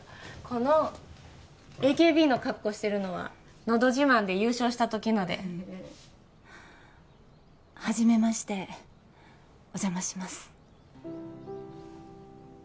このＡＫＢの格好してるのはのど自慢で優勝した時のではじめましてお邪魔します